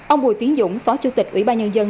ông bùi tiến dũng phó chủ tịch ủy ban nhân dân